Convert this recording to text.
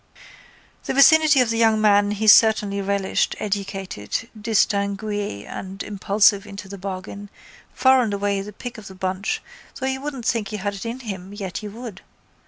The vicinity of the young man he certainly relished, educated, distingué and impulsive into the bargain, far and away the pick of the bunch though you wouldn't think he had it in him yet you would.